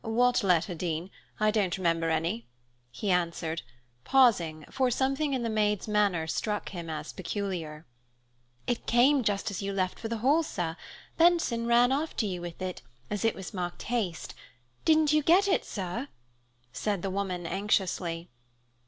"What letter, Dean? I don't remember any," he answered, pausing, for something in the maid's manner struck him as peculiar. "It came just as you left for the Hall, sir. Benson ran after you with it, as it was marked 'Haste.' Didn't you get it, sir?" asked the woman, anxiously.